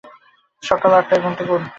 সকাল আট টায় ঘুম থেকে উঠাবে।